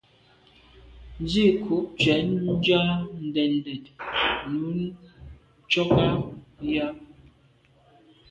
Nzìkû’ cwɛ̌d nja ndèdndèd nùú ntchɔ́k á jáà.